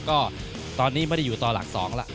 ก็ตอนนี้ไม่ได้อยู่ต่อหลัก๒แล้ว